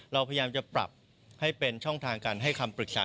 เราพยายามจะปรับให้เป็นช่องทางการให้คำปรึกษา